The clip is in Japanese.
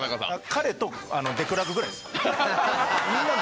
彼とデクラークぐらいです。